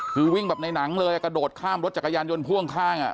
คือวิ่งแบบในหนังเลยกระโดดข้ามรถจักรยานยนต์พ่วงข้าง